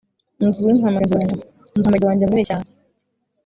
nzwi nka mugenzi wanjye munini cyane.